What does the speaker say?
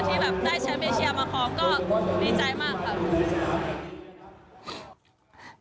ที่แบบได้แชมป์เอเชียมาพร้อมก็ดีใจมากค่ะ